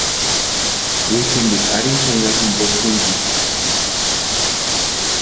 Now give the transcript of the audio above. Witsintikwa arini xanharu jimpo tsïnchispka.